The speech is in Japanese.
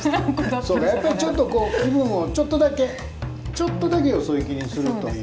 やっぱちょっとこう気分をちょっとだけちょっとだけよそ行きにするといいますか。